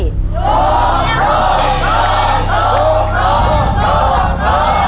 โรค